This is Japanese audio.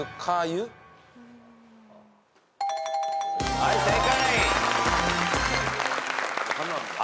はい正解。